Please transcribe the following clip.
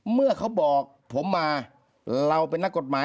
เมื่อเขาบอกผมมาเราเป็นนักกฎหมาย